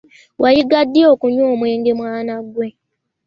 Wayiga ddi okunywa omwenge mwana wange?